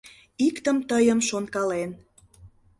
Иктым тыйым шонкален.